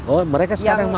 oh mereka sekarang mau